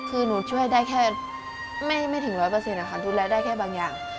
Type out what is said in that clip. คือหนูช่วยได้แค่ไม่ถึงร้อยเปอร์เซ็นต์อ่ะค่ะดูแลได้แค่บางอย่าง